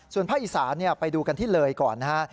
ส่วนภาคอีสานไปดูกันที่เลยก่อนนะฮะ